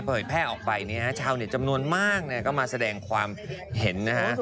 พอเห็นแพร่ออกไปเนี่ยฮะชาวเนี่ยจำนวนมากเนี่ยก็มาแสดงความเห็นนะฮะ